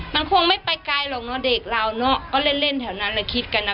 มันคงไม่ไปไกลหรอกเนอะเด็กเราเนอะก็เล่นเล่นแถวนั้นแหละคิดกันนะ